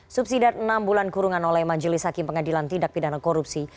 subsidar enam bulan kurungan oleh majelis hakim pengadilan tindak pidana korupsi